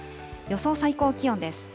予想最高気温です。